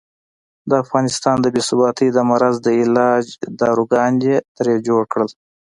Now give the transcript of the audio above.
د افغانستان د بې ثباتۍ د مرض د علاج داروګان یې ترې جوړ کړل.